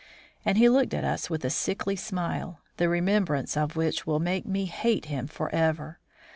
And he looked at us with a sickly smile, the remembrance of which will make me hate him forever.